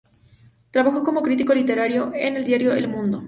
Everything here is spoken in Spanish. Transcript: Trabajó como crítico literario en el diario “El Mundo“.